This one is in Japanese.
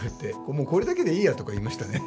もうこれだけでいいやとか言いましたね。